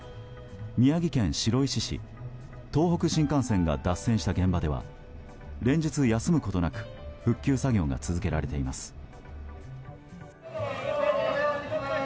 宮城県白石市、東北新幹線が脱線した現場では連日、休むことなく復旧作業が続けられています。